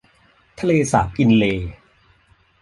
ทะเลสาบอินเลย์